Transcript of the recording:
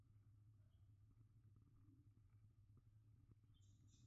_خو کربوړي خطرناکه دي.